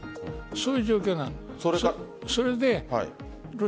そういう状況なんです。